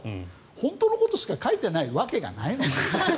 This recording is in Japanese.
本当のことしか書いてないわけがないんです。